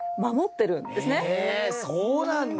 へえそうなんだ。